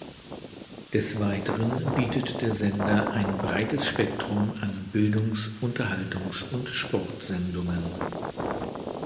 Des Weiteren bietet der Sender ein breites Spektrum an Bildungs-, Unterhaltungs- und Sportsendungen.